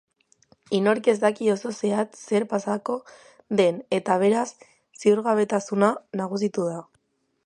Inork ez daki oso zehatz zer pasako den eta beraz ziurgabetasuna nagusitu da.